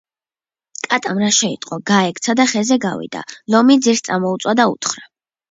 კატამ რა შეიტყო, გაექცა და ხეზე გავიდა. ლომი ძირს წამოუწვა, უთხრა: